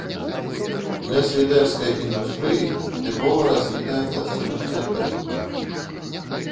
Для свідэрскай індустрыі тыпова развітая пласціначная тэхніка.